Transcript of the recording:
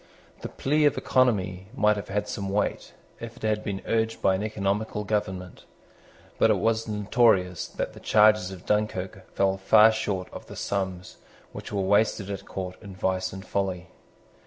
The plea of economy might have had some weight, if it had been urged by an economical government. But it was notorious that the charges of Dunkirk fell far short of the sums which were wasted at court in vice and folly.